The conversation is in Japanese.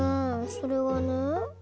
それはね